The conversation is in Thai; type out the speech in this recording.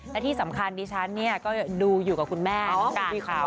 และที่สำคัญดิฉันเนี่ยก็ดูอยู่กับคุณแม่เขา